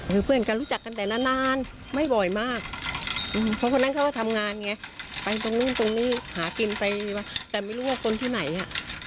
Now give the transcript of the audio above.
คือเพื่อนก็รู้จักกันแต่นานนานไม่บ่อยมากเพราะคนนั้นเขาก็ทำงานไงไปตรงนู้นตรงนี้หากินไปแต่ไม่รู้ว่าคนที่ไหนอ่ะ